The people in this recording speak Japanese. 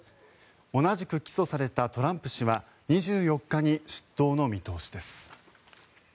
同じく起訴されたトランプ氏は２４日に出頭の見通しです。